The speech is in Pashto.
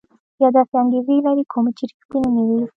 یا داسې انګېزې لري کومې چې ريښتيني نه وي.